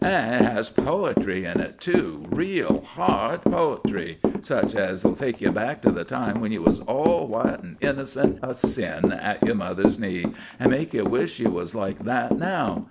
"An' it has po'try in it, too, reel heart po'try, such as'll take ye back to the time when ye was all white an' innocent o' sin at yer mother's knee, an' make ye wish ye was like that now.